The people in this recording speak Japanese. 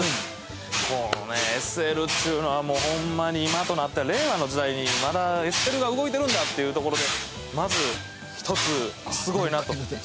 このね、ＳＬっちゅうのはホンマに、今となっては令和の時代に、まだ、ＳＬが動いてるんだっていうところでまず１つ、すごいなという事で。